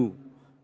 juga para petani